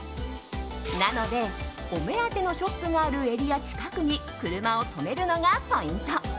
なので、お目当てのショップがあるエリア近くに車を止めるのがポイント。